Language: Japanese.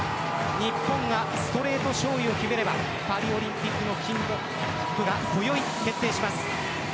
日本がストレート勝利を決めればパリオリンピックの切符がこよい決定します。